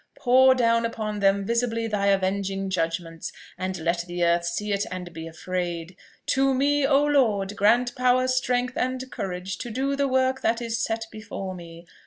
Pour down upon them visibly thy avenging judgments, and let the earth see it and be afraid. To me, O Lord! grant power, strength, and courage to do the work that is set before me.